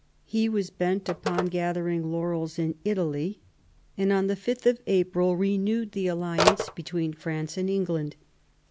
He was bent upon gathering laurels in Italy, and on 5th April renewed the alliance between France and England.